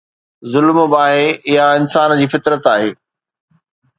ظلم به آهي، اها انسان جي فطرت آهي.